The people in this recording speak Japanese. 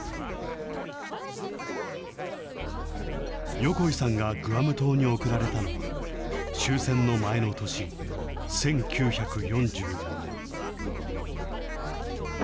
横井さんがグアム島に送られたのは、終戦の前の年、１９４４年。